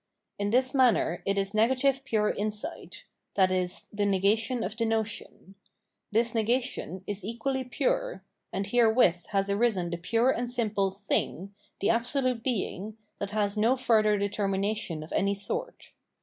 In this manner it is negative pure insight, i.e. the negation of the notion; this negation is equally pure; and here with has arisen the pure and simple " thing,'' the Abso lute Being, that has no further determination of any sort.